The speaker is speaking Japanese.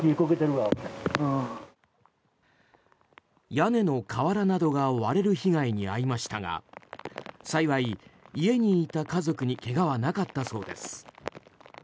屋根の瓦などが割れる被害に遭いましたが幸い、家にいた家族に怪我はなかったそうです。